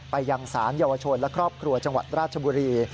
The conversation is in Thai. ไปยังศาลเยาวชนและครอบครัวจังหวัดราชบุรี